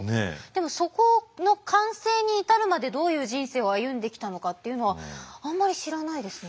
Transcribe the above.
でもそこの完成に至るまでどういう人生を歩んできたのかっていうのはあんまり知らないですね。